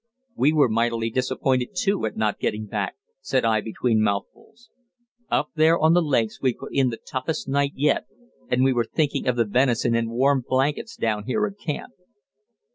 "We were mightily disappointed, too, at not getting back," said I between mouthfuls. "Up there on the lakes we put in the toughest night yet, and we were thinking of the venison and warm blankets down here at camp."